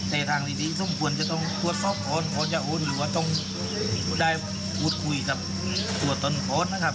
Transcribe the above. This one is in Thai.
แต่ทางวิธีที่สมควรจะต้องควดซอบโอนโอนอย่าโอนหรือว่าต้องได้พูดคุยกับตัวตนโค้ดนะครับ